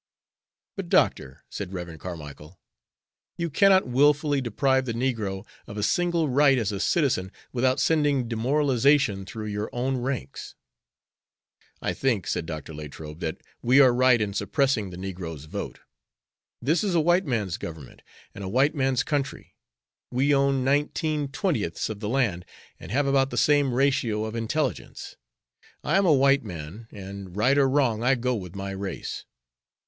"But, Doctor," said Rev. Carmicle, "you cannot willfully deprive the negro of a single right as a citizen without sending demoralization through your own ranks." "I think," said Dr. Latrobe, "that we are right in suppressing the negro's vote. This is a white man's government, and a white man's country. We own nineteen twentieths of the land, and have about the same ratio of intelligence. I am a white man, and, right or wrong, I go with my race."